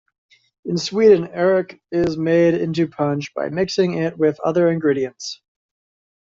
In Sweden arrak is made into punsch by mixing it with other ingredients.